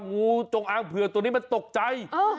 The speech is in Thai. งูจงอางเผือกตัวนี้มันตกใจ